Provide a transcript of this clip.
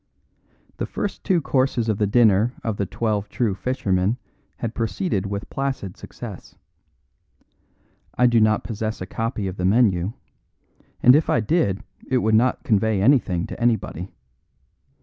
The first two courses of the dinner of The Twelve True Fishermen had proceeded with placid success. I do not possess a copy of the menu; and if I did it would not convey anything to anybody.